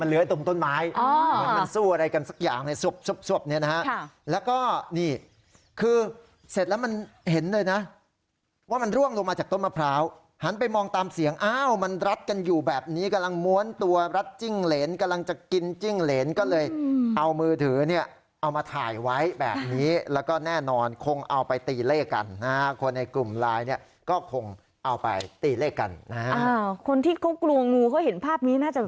ลูกกลัวงูเขาเห็นภาพนี้น่าจะขนลุกนะครับ